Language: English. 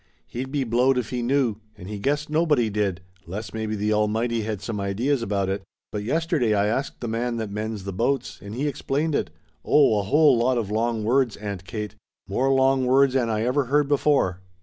He'd be blowed if he knew, and he guessed nobody did, 'less maybe the Almighty had some ideas about it; but yesterday I asked the man that mends the boats, and he explained it oh a whole lot of long words, Aunt Kate. More long words 'an I ever heard before."